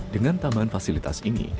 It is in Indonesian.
dengan tambahan fasilitas ini